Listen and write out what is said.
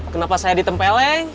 kenapa saya ditempel eh